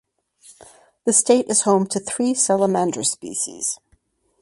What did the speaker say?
The state is home to three salamander species.